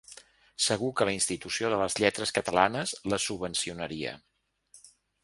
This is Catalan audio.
Segur que la Institució de les Lletres Catalanes la subvencionaria.